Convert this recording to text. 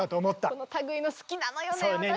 この類いの好きなのよね。